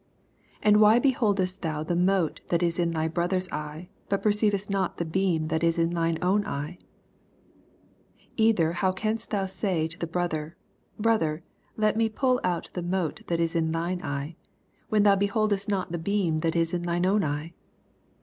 41 And why beholdest thou the mote that is in thv brother's eye, bat per ceivest Dot the beam that is in thine own eye ? 42 !uther how canst thou say to thy brother, Brother, let me pall out the mote that is in tnine eye, when thou beholdest not the beam that is in thine own eye?